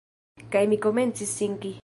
Kaj mi komencis sinki.